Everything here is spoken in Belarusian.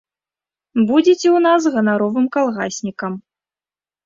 Будзеце ў нас ганаровым калгаснікам.